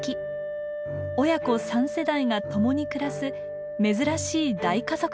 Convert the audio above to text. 親子三世代が共に暮らす珍しい大家族です。